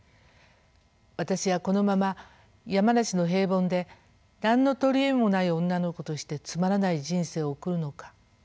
「私はこのまま山梨の平凡で何の取り柄もない女の子としてつまらない人生を送るのか。